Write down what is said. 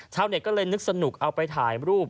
ชาวเน็ตก็เลยนึกสนุกเอาไปถ่ายรูป